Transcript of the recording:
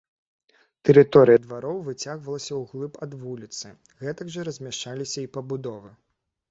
Тэрыторыя двароў выцягвалася ўглыб ад вуліцы, гэтак жа размяшчаліся і пабудовы.